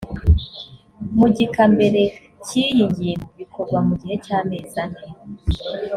mu gika mbere cy’ iyi ngingo bikorwa mu gihe cy’amezi ane